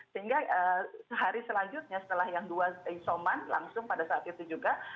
sehingga hari selanjutnya setelah yang dua isoman langsung pada saat itu juga